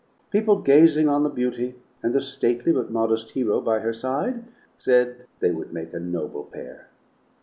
People gazing on the beauty and the stately but modest hero by her side, said they would make a noble pair.